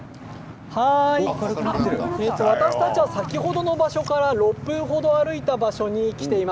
私たちは先ほどの場所から６分程歩いた場所に来ています。